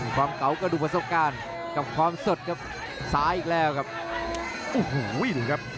ความเก๋าก็ดูประสบการณ์และความสดซ้ายอีกแล้วครับ